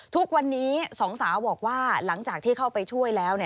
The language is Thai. ทุกวันนี้สองสาวบอกว่าหลังจากที่เข้าไปช่วยแล้ว